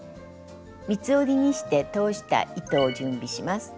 三つ折りにして通した糸を準備します。